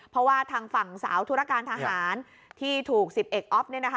เพราะว่าทางฝั่งสาวธุรการทหารที่ถูก๑๑อ๊อฟ